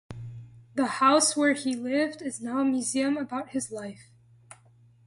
The house where he lived is now a museum about his life.